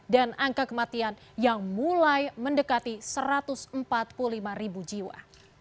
dan angka kematian yang mulai mendekati satu ratus empat puluh lima ribu jiwa